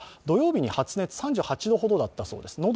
土曜日に発熱、３８度ほどだったそうです。